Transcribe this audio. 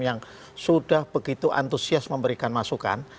yang sudah begitu antusias memberikan masukan